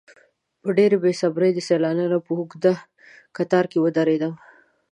په ډېرې بې صبرۍ د سیلانیانو په اوږده کتار کې ودرېدم.